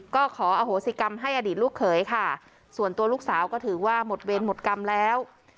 ก็ขออโหสิกรรมให้อดีตลูกเขยค่ะส่วนตัวลูกสาวก็ถือว่าหมดเวรหมดกรรมแล้ว